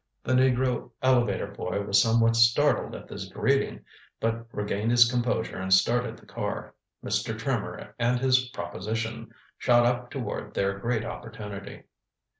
The negro elevator boy was somewhat startled at this greeting, but regained his composure and started the car. Mr. Trimmer and his "proposition" shot up toward their great opportunity.